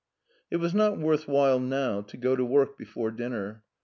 It was not worth while going to work before dinner.